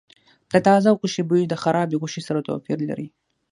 د تازه غوښې بوی د خرابې غوښې سره توپیر لري.